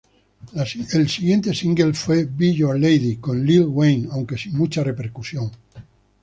El siguiente single fue "Be Your Lady" con Lil' Wayne, aunque sin mucha repercusión.